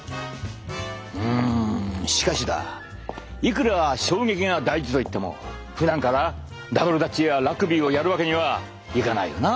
うむしかしだいくら衝撃が大事といってもふだんからダブルダッチやラグビーをやるわけにはいかないよな。